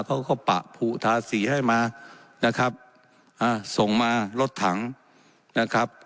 เขาก็ปะผูทาสีให้มานะครับอ่าส่งมารถถังนะครับ